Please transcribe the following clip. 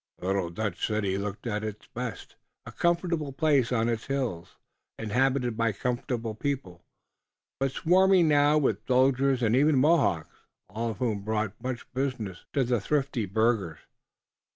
The little Dutch city looked its best, a comfortable place on its hills, inhabited by comfortable people, but swarming now with soldiers and even with Mohawks, all of whom brought much business to the thrifty burghers.